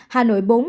hà nội bốn